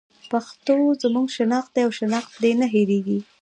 پښتو زموږ شناخت دی او شناخت دې نه هېرېږي.